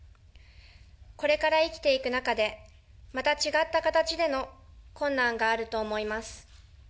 これから生きていく中で、また違った形での困難があると思います。